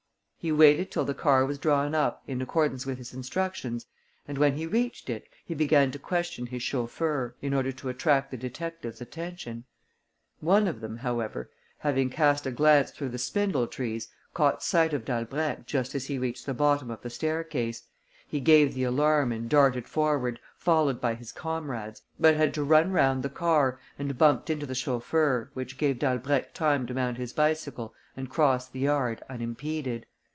He waited till the car was drawn up in accordance with his instructions and, when he reached it, he began to question his chauffeur, in order to attract the detectives' attention. One of them, however, having cast a glance through the spindle trees, caught sight of Dalbrèque just as he reached the bottom of the staircase. He gave the alarm and darted forward, followed by his comrades, but had to run round the car and bumped into the chauffeur, which gave Dalbrèque time to mount his bicycle and cross the yard unimpeded.